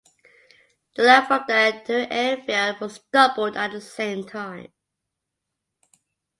The line from there to Enfield was doubled at the same time.